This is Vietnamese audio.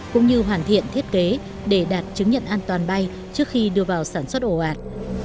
cũng như hoàn thiện thiết kế để đạt chứng nhận an toàn bay trước khi đưa vào sản xuất ổ ạt